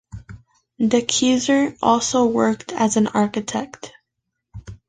De Keyser also worked as an architect.